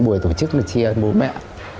buổi tổ chức mà chia với bố mẹ